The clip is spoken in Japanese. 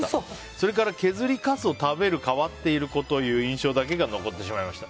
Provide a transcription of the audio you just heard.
それから削りかすを食べる変わっている子という印象だけが残ってしまいました。